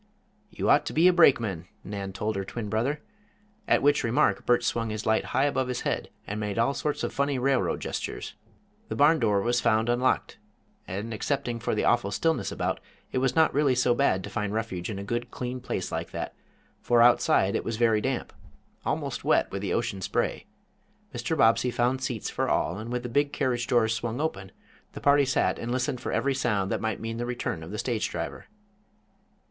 "You ought to be a brakeman," Nan told her twin brother, at which remark Bert swung his light above his head and made all sorts of funny railroad gestures. The barn door was found unlocked, and excepting for the awful stillness about, it was not really so bad to find refuge in a good, clean place like that, for outside it was very damp almost wet with the ocean spray. Mr. Bobbsey found seats for all, and with the big carriage doors swung open, the party sat and listened for every sound that might mean the return of the stage driver.